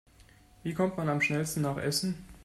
Wie kommt man am schnellsten nach Essen?